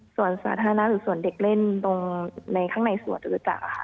สวนสาธารณะหรือสวนเด็กเล่นตรงในนี้